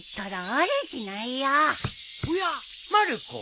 おやまる子。